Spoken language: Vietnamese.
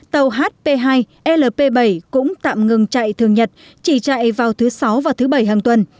tàu hp hai lp bảy cũng tạm ngừng chạy thường nhật chỉ chạy vào thứ sáu và thứ bảy hàng tuần